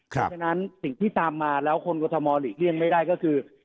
เพราะฉะนั้นสิ่งที่ตามมาแล้วคนกรทมหลีกเลี่ยงไม่ได้ก็คือ